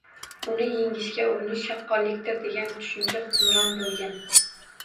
Uni yengishga urinish shakkoklikdir!” degan tushuncha hukmron bo‘lgan